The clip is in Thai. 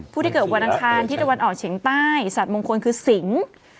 ผู้ที่เกิดวันอังคารที่ตะวันออกเฉียงใต้สัตว์มงคลคือสิง